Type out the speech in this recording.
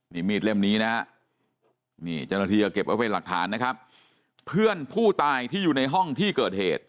นี่มีดเล่มนี้นะฮะนี่เจ้าหน้าที่ก็เก็บไว้เป็นหลักฐานนะครับเพื่อนผู้ตายที่อยู่ในห้องที่เกิดเหตุ